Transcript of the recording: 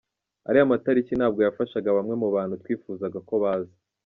Ariya matariki ntabwo yafashaga bamwe mu bantu twifuzaga ko baza.